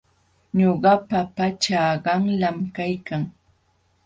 Ñuqapa pachaa qanlam kaykan.